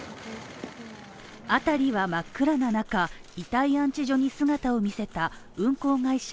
辺りは真っ暗な中、遺体安置所に姿を見せた運航会社